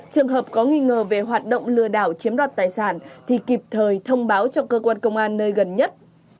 trường hợp có nghi ngờ về hoạt động lừa đảo chiếm đoạt tài sản thì kịp thời thông báo cho cơ quan công an nơi gần nhất